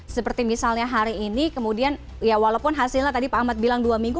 seperti misalnya hari ini kemudian ya walaupun hasilnya tadi pak ahmad bilang dua minggu